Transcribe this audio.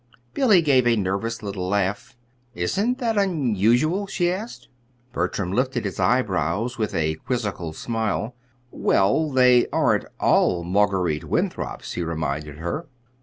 Billy gave a nervous little laugh. "Isn't that unusual?" she asked. Bertram lifted his eyebrows with a quizzical smile. "Well, they aren't all Marguerite Winthrops," he reminded her.